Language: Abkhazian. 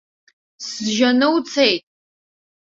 Сжьаны уцеит!